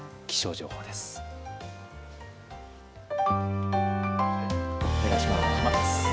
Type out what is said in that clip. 気象情報です。